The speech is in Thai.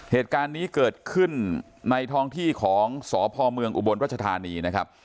เหตุการณ์นี้เกิดขึ้นในท้องที่ของสพเมืองอุบลรัชธานีนะครับ